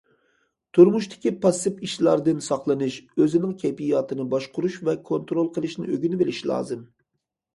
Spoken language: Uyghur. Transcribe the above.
تۇرمۇشتىكى پاسسىپ ئىشلاردىن ساقلىنىش، ئۆزىنىڭ كەيپىياتىنى باشقۇرۇش ۋە كونترول قىلىشنى ئۆگىنىۋېلىش لازىم.